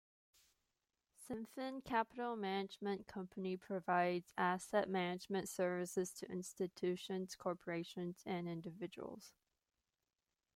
CinFin Capital Management Company provides asset management services to institutions, corporations and individuals.